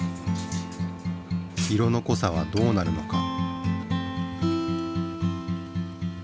色のこさはどうなるのか？